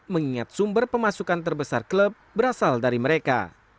mengingat sumber pemasukan terbesar klub berasal dari mereka